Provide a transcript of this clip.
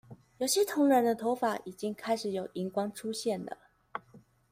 有些同仁的頭髮已經開始有銀光出現了